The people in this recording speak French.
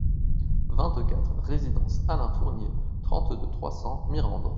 vingt-quatre résidence Alain Fournier, trente-deux, trois cents, Mirande